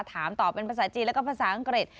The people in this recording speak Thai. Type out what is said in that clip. ถามตอบเป็นภาษาจีนแล้วก็ภาษาอังกฤษ